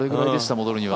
戻るには。